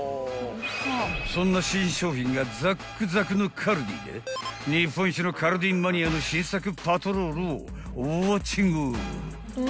［そんな新商品がざっくざくのカルディで日本一のカルディマニアの新作パトロールをウオッチング］